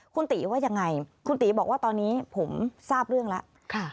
คุณตีว่ายังไงคุณตีบอกว่าตอนนี้ผมทราบเรื่องแล้ว